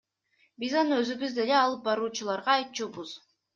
Биз аны өзүбүз деле алып баруучуларга айтчубуз.